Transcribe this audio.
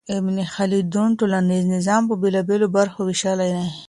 ابن خلدون ټولنيز نظام په بېلابېلو برخو وېشلی دی.